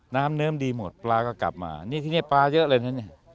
น้ำเนิ้มดีหมดปลาก็กลับมานี่ทีนี้ปลาเยอะเลยนะเนี่ย